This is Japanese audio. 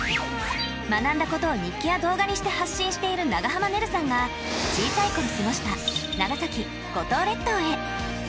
学んだことを日記や動画にして発信している長濱ねるさんが小さい頃過ごした長崎・五島列島へ。